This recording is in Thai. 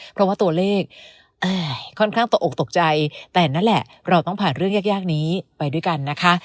เพราะว่าตัวเลขค่อนข้างตกอกตกใจแต่นั่นแหละเราต้องผ่านเรื่องยากนี้ไปด้วยกันนะคะ